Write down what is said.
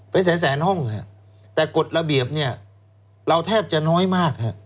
เป็นแสนแสนห้องแต่กฎระเบียบเราแทบจะน้อยมาก